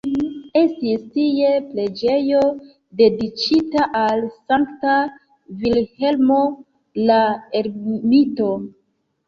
Estis tie preĝejo dediĉita al Sankta Vilhelmo la Ermito.